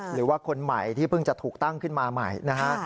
หรือว่าคนใหม่ที่เพิ่งจะถูกตั้งขึ้นมาใหม่นะฮะ